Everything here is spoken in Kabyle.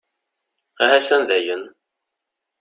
Ahasan dayen!